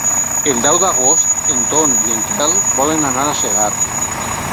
El deu d'agost en Ton i en Quel volen anar a Segart.